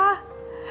kak kak iko